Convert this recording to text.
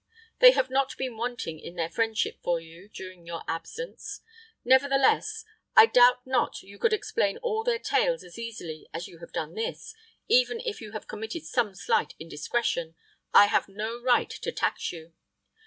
They have not been wanting in their friendship for you during your absence. Nevertheless, I doubt not you could explain all their tales as easily as you have done this even if you have committed some slight indiscretion, I have no right to tax you.